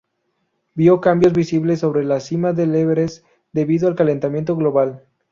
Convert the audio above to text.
Vio cambios visibles sobre la cima del Everest debido al calentamiento global.